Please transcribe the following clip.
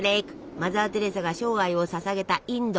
マザー・テレサが生涯をささげたインド！